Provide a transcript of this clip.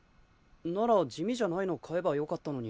なら地味じゃないの買えばよかったのに。